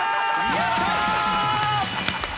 やったー！